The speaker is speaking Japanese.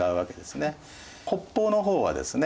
北方の方はですね